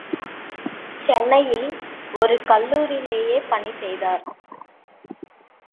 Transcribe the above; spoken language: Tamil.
சென்னையில் ஒரு கல்லூரியிலே பணி செய்தார்.